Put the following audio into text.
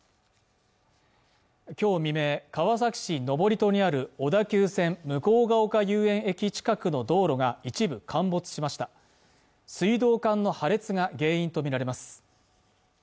今日未明川崎市登戸にある小田急線向ヶ丘遊園駅近くの道路が一部陥没しました水道管の破裂が原因と見られます